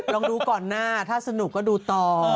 ลองดูก่อนหน้าถ้าสนุกก็ดูต่อ